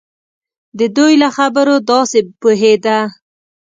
د دوی له خبرو داسې پوهېده.